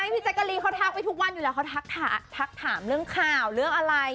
พี่แจ๊กกะรีนเขาทักไปทุกวันอยู่แล้วเขาทักถามเรื่องข่าวเรื่องอะไร